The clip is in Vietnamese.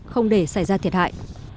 không để xảy ra thiệt hại